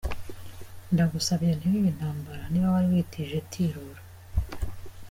Ndagusabye ntibibe intambara, niba wari witije tirura”.